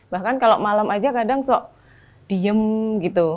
bahkan kalau malam aja kadang so diem gitu